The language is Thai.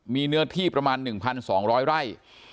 มีเนื้อที่ประมาณ๑๒๐๐ไร่